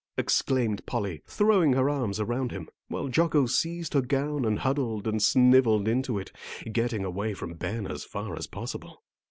exclaimed Polly, throwing her arms around him, while Jocko seized her gown and huddled and snivelled into it, getting away from Ben as far as possible.